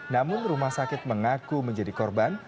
namun rumah sakit mengaku menjadi korban